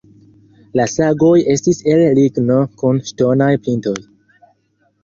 La sagoj estis el ligno kun ŝtonaj pintoj.